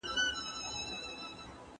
کتاب لوستل د شخصي پرمختګ سبب دی.